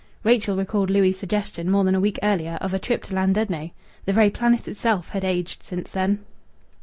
Rachel recalled Louis' suggestion, more than a week earlier, of a trip to Llandudno. The very planet itself had aged since then.